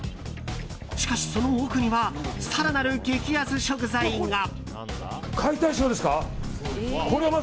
しかし、その奥には更なる激安食材が。